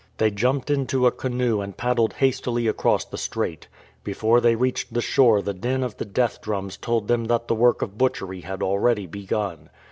They jumped into a canoe and paddled hastily across the strait. Before they reached the shore the din of the death drums told them that the work of butchery had already begun.